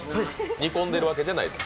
煮込んでいるわけじゃないです